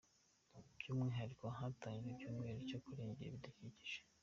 By’umwihariko hatangijwe icyumweru cyo kurengera ibidukikije.